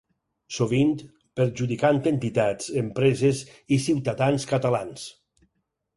Sovint, perjudicant entitats, empreses i ciutadans catalans.